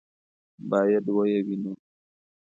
باید ویې وینو.